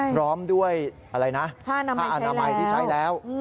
พร้อมด้วยอะไรนะผ้าอนามัยที่ใช้แล้ว